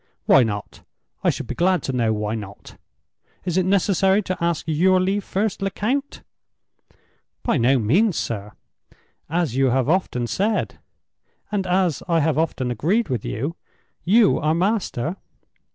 "Why not? I should be glad to know why not? Is it necessary to ask your leave first, Lecount?" "By no means, sir. As you have often said (and as I have often agreed with you), you are master.